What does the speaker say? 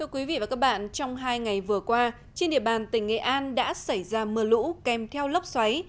quý vị và các bạn trong hai ngày vừa qua trên địa bàn tỉnh nghệ an đã xảy ra mưa lũ kèm theo lốc xoáy